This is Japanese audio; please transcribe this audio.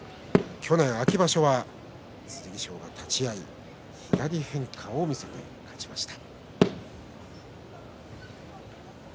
去年、秋場所は剣翔が立ち合い左に変化を見せました。